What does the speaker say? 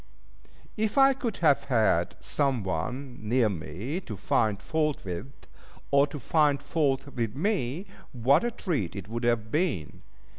If I could but have had some one near me to find fault with, or to find fault with me, what a treat it would have been!